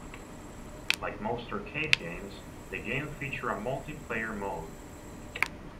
Like most arcade games, the game featured a multi-player mode.